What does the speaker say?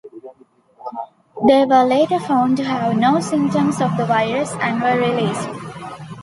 They were later found to have no symptoms of the virus and were released.